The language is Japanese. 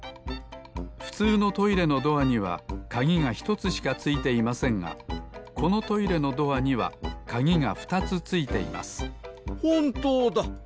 ふつうのトイレのドアにはかぎが１つしかついていませんがこのトイレのドアにはかぎが２つついていますほんとうだ！